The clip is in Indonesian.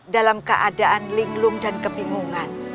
dalam keadaan linglung dan kebingungan